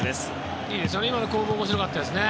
今の攻防、面白かったですね。